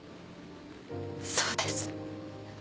そうです。